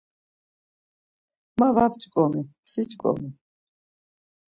Ma var p̌ç̌ǩomi, si ç̌ǩomi.